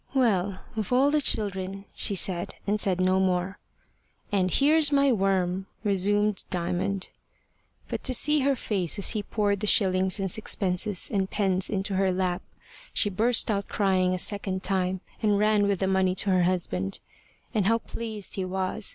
"Well! of all the children!" she said, and said no more. "And here's my worm," resumed Diamond. But to see her face as he poured the shillings and sixpences and pence into her lap! She burst out crying a second time, and ran with the money to her husband. And how pleased he was!